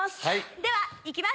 では行きます。